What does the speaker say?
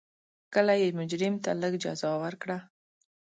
کله یې مجرم ته لږه جزا ورکړه.